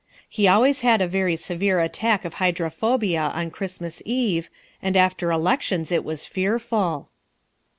He always had a very severe attack of hydrophobia on Christmas Eve, and after elections it was fearful.